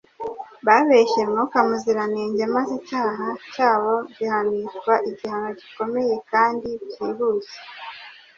Babeshye Mwuka Muziranenge maze icyaha cyabo gihanishwa igihano gikomeye kandi byihuse